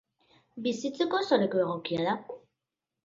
Bizitzeko oso leku egokia da.